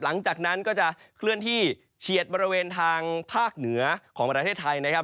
หลังจากนั้นก็จะเคลื่อนที่เฉียดบริเวณทางภาคเหนือของประเทศไทยนะครับ